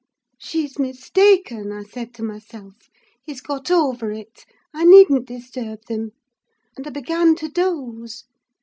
"She's mistaken, I said to myself. He's got over it. I needn't disturb them; and I began to doze.